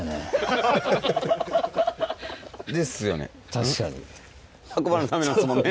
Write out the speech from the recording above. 確かに。